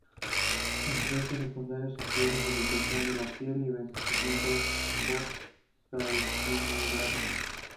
Los efectos secundarios incluyen irritación de la piel y envenenamiento por salicilato.